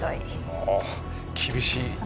厳しい。